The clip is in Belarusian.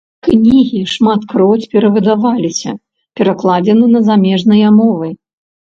Кнігі шматкроць перавыдаваліся, перакладзены на замежныя мовы.